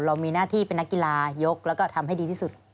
เรามีหน้าที่เป็นนักกีฬายกแล้วก็ทำให้ดีที่สุด